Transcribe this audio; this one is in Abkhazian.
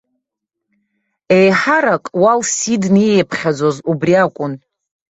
Еиҳарак уалс идны ииԥхьаӡоз убри акәын.